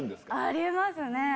ありますね。